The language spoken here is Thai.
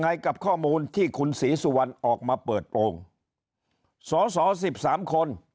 ให้กับข้อมูลที่คุณศรีสุวรรณออกมาเปิดโปรงสอสอสิบสามคน